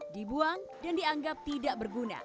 dibuang dan dianggap tidak berguna